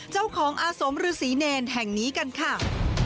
เจ้าของอาสมฤษีเนรแห่งนี้กันค่ะ